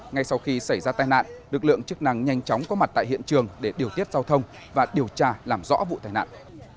ngay sau khi xảy ra tai nạn lực lượng chức năng nhanh chóng có mặt tại hiện trường để điều tiết giao thông và điều tra làm rõ vụ tai nạn